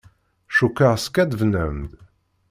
Cukkeɣ skaddben-am-d.